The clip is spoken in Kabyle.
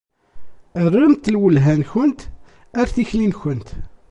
Rremt lwelha-nkent ar tikli-nkent.